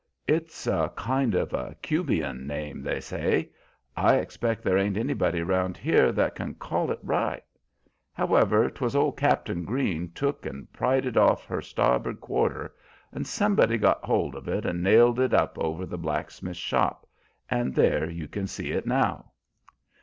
It's a kind of a Cubian name, they say. I expect there ain't anybody round here that can call it right. However 'twas, old Cap'n Green took and pried it off her starboard quarter, and somebody got hold of it and nailed it up over the blacksmith's shop; and there you can see it now.